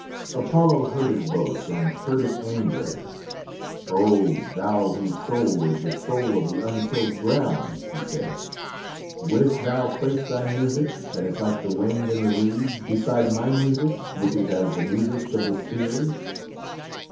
Apollo heard his boast, and heard it angrily. "Oh, thou whose soul is the soul of the untilled ground!" he said, "wouldst thou place thy music, that is like the wind in the reeds, beside my music, which is as the music of the spheres?"